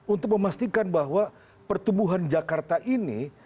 untuk memastikan bahwa pertumbuhan jakarta ini